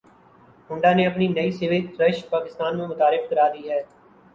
Honda نے اپنی نئی سوک رش پاکستان میں متعارف کرا دی ہے